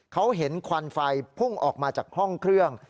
เขาเห็นควันไฟพุ่งออกมาจากห้องเครื่อง